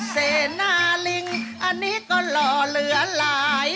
เสนาลิงอันนี้ก็หล่อเหลือหลาย